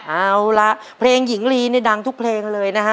เอาละเพลงหญิงลีนี่ดังทุกเพลงเลยนะฮะ